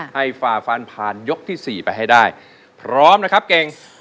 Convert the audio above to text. ฝ่าฟันผ่านยกที่๔ไปให้ได้พร้อมนะครับเก่ง